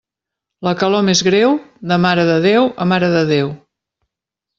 La calor més greu, de Mare de Déu a Mare de Déu.